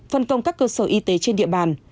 phân công các cơ sở y tế trên địa bàn